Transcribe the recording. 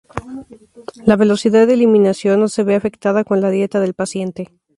La velocidad de eliminación no se ve afectada con la dieta del paciente.